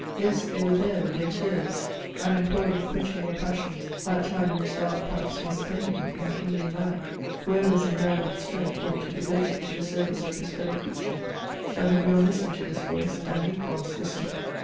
Yes, they were there with their tears. CHATEAUBRIAND. 1 3 and employed in quenching their passions that time which thou art perhaps mis spending in kindling thine. Whoever is endowed with strength ought to devote it to the service of his fellow creature." Chateaubriand listened to this voice, and recrossed the sea.